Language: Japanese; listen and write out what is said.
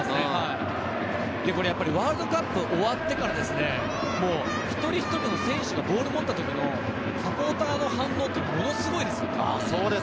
ワールドカップが終わってからですね、一人一人の選手がボールを持った時のサポーターの反応がものすごいです。